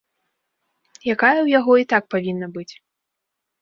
Якая ў яго і так павінна быць.